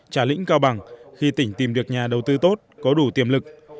trà lĩnh cao bằng khi tỉnh tìm được nhà đầu tư tốt có đủ tiềm lực